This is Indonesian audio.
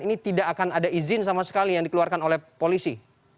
ini tidak akan ada izin sama sekali yang dikeluarkan oleh polisi